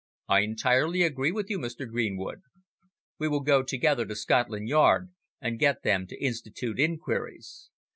"I entirely agree with you, Mr. Greenwood. We will go together to Scotland Yard and get them to institute inquiries.